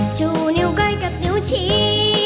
ชูนิ้วใกล้กับนิ้วชี้